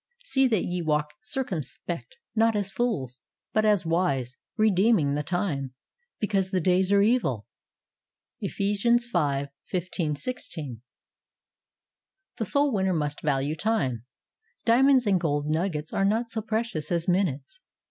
"/See that ye walk circumspect, not as fools, hut as wise, redeeming the time, because the days are evil." (Eph. 5 : 15 16.) The soul winner must value time. Dia monds and gold nuggets are not so prec ious as minutes.